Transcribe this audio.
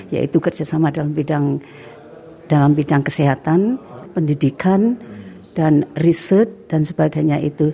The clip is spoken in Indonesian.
yaitu kerjasama dalam bidang kesehatan pendidikan dan riset dan sebagainya itu